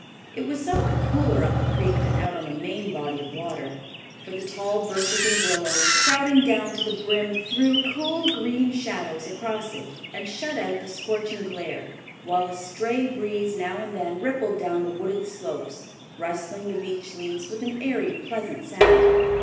It was somewhat cooler up the creek than out on the main body of water, for the tall birches and willows, crowding down to the brim, threw cool, green shadows across it and shut out the scorching glare, while a stray breeze now and then rippled down the wooded slopes, rustling the beech leaves with an airy, pleasant sound.